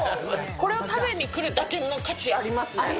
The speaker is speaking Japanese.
これを食べに来るだけの価値ありますね。